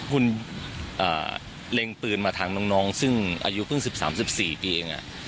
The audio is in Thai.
คุณเล็งปืนมาทางน้องซึ่งอายุเพิ่ง๑๓๑๔ปีเอง